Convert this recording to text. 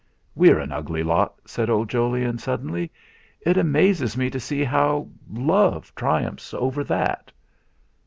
"We're an ugly lot!" said old Jolyon suddenly. "It amazes me to see how love triumphs over that."